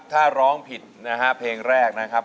ถ้าร้องผิดนะฮะเพลงแรกนะครับ